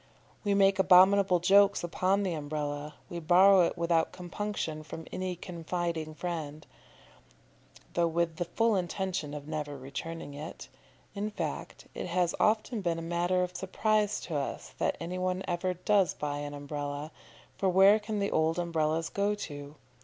We make abominable jokes upon the Umbrella; we borrow it without compunction from any confiding friend, though with the full intention of never returning it in fact, it has often been a matter of surprise to us that any one ever does buy an Umbrella, for where can the old Umbrellas go to?